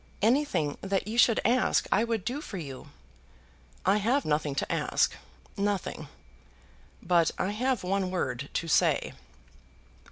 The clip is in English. "Anything that you should ask, I would do for you." "I have nothing to ask; nothing. But I have one word to say."